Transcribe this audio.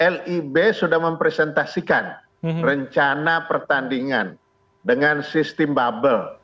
lib sudah mempresentasikan rencana pertandingan dengan sistem bubble